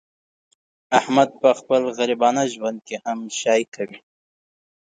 احمد په خپل غریبانه ژوند کې هم شاهي کوي.